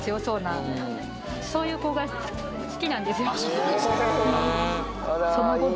そうなんですか。